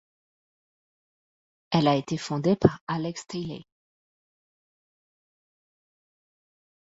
Elle a été fondée par Alex Tilley.